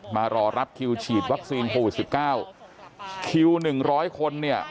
มารอรับคิวฉีดวัคซีนโควิดสิบเก้าคิวหนึ่งร้อยคนเนี่ย